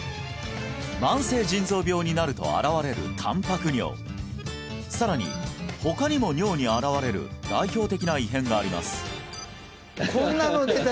慢性腎臓病になると現れるたんぱく尿さらに他にも尿に現れる代表的な異変があります